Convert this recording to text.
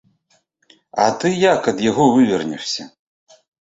А ты як ад яго вывернешся?